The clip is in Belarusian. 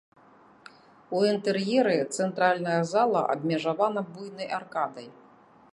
У інтэр'еры цэнтральная зала абмежавана буйнай аркадай.